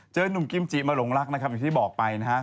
หนุ่มกิมจิมาหลงรักนะครับอย่างที่บอกไปนะครับ